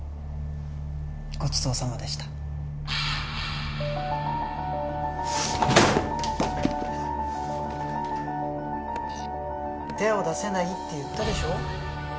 ごちそうさまでした手を出せないって言ったでしょ？